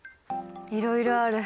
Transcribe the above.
いろいろある。